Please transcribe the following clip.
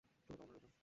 শুভ কামনা রইলো!